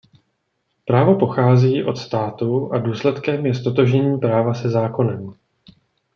Právo pochází od státu a důsledkem je ztotožnění práva se zákonem.